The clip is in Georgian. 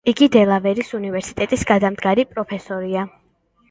იგი დელავერის უნივერსიტეტის გადამდგარი პროფესორია.